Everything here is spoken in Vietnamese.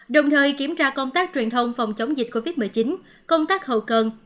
đồng thời kiểm tra công tác truyền thông phòng chống dịch covid một mươi chín công tác hậu cần